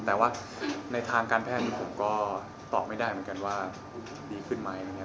แต่ว่าในทางการแพทย์นี้ผมก็ตอบไม่ได้เหมือนกันว่าดีขึ้นไหมนะครับ